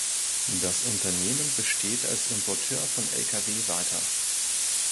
Das Unternehmen besteht als Importeur von Lkw weiter.